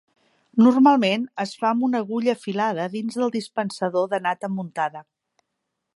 Normalment es fa amb una agulla afilada dins el dispensador de nata muntada.